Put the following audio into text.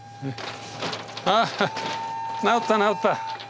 あ直った直った！